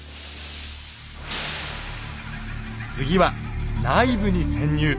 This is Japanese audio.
次は内部に潜入。